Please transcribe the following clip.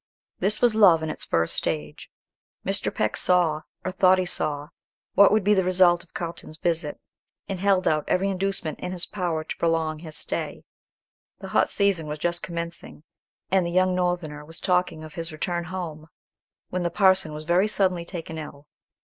This was love in its first stage. Mr. Peck saw, or thought he saw, what would be the result of Carlton's visit, and held out every inducement in his power to prolong his stay. The hot season was just commencing, and the young Northerner was talking of his return home, when the parson was very suddenly taken ill.